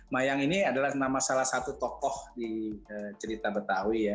mayang ini adalah nama salah satu tokoh di cerita betawi ya